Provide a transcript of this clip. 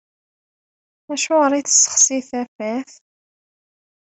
Acuɣer i tessexsi tafat?